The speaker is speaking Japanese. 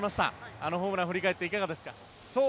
あのホームラン振り返っていかがですか。